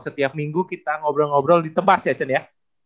setiap minggu kita ngobrol ngobrol di tebas yahon ya